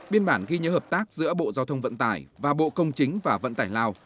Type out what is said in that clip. biên bản ghi nhớ hợp tác giữa bộ giao thông vận tải và bộ công chính và vận tải lào